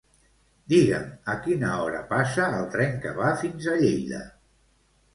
Digue'm a quina hora passa el tren que va fins a Lleida.